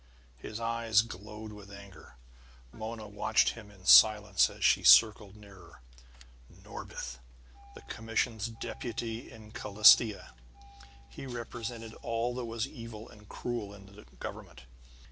His eyes glowed with anger. Mona watched him in silence as she circled nearer. Norbith! The commission's deputy in Calastia; he represented all that was evil and cruel in the government.